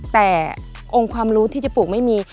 แต่องค์ความรู้ที่จะปลูกไม่มี